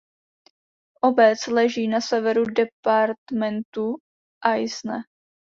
Obec leží na severu departementu Aisne.